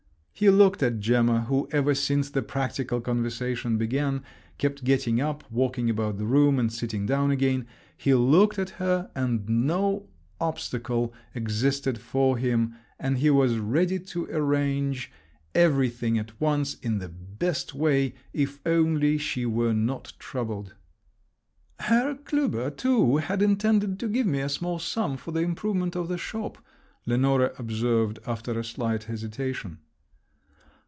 He looked at Gemma, who, ever since the "practical" conversation began, kept getting up, walking about the room, and sitting down again—he looked at her—and no obstacle existed for him, and he was ready to arrange everything at once in the best way, if only she were not troubled! "Herr Klüber, too, had intended to give me a small sum for the improvement of the shop," Lenore observed after a slight hesitation.